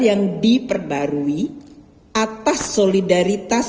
yang diperbarui atas solidaritas